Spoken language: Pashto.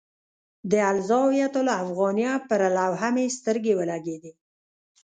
د الزاویة الافغانیه پر لوحه مې سترګې ولګېدې.